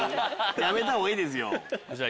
やめたほうがいいですよ。